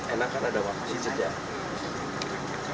enak karena ada waktunya jejak